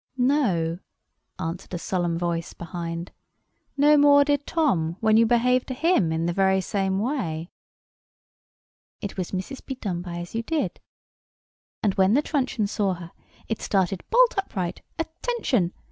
"No," answered a solemn voice behind. "No more did Tom, when you behaved to him in the very same way." It was Mrs. Bedonebyasyoudid. And, when the truncheon saw her, it started bolt upright—Attention!